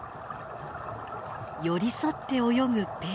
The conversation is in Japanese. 寄り添って泳ぐペア。